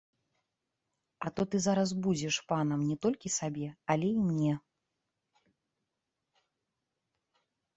А то ты зараз будзеш панам не толькі сабе, але і мне.